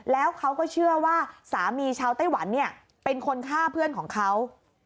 แล้วเขาก็เชื่อว่าสามีชาวไต้หวันเนี่ยเป็นคนฆ่าเพื่อนของเขา